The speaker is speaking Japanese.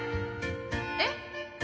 えっ？